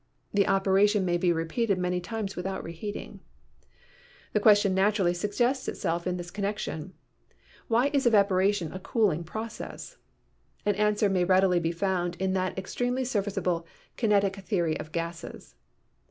The operation may be repeated many times without reheating. A question naturally suggests itself in this connection, Why is evaporation a cooling process? An answer may readily be found in that extremely serviceable Kinetic Theory of Gases.